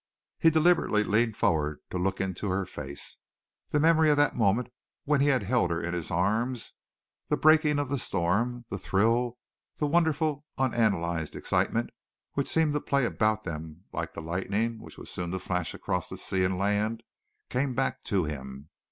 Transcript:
He deliberately leaned forward to look into her face. The memory of that moment when he had held her in his arms, the breaking of the storm, the thrill, the wonderful, unanalyzed excitement which seemed to play about them like the lightning which was soon to flash across the sea and land, came back to him.